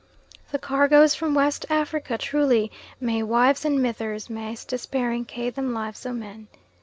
The cargoes from West Africa truly may "wives and mithers maist despairing ca' them lives o' men."